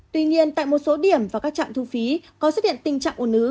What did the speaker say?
tuy nhiên tại một số điểm và các trạm thu phí có xuất hiện tình trạng ồn ứ